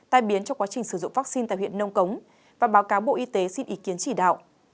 tai biến trong quá trình sử dụng vaccine tại huyện nông cống và báo cáo bộ y tế xin ý kiến chỉ đạo